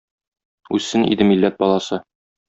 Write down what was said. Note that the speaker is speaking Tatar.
Үссен иде милләт баласы.